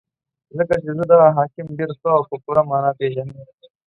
ځکه چې زه دغه حاکم ډېر ښه او په پوره مانا پېژنم.